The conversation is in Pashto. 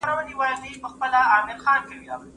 ما په ژوند کي ښه کار نه دی کړی جانه